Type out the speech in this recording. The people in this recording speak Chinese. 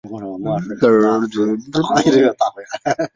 无线一般指的是无线电或无线电波。